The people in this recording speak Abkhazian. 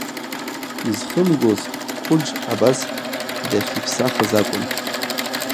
Изхымгоз Қәыџь абас дахьиԥсахыз акәын.